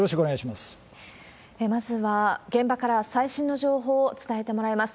まずは、現場から最新の情報を伝えてもらいます。